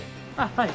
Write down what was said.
はい。